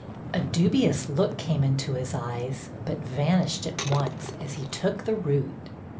A dubious look came into his eyes, but van ished at once as he took the root.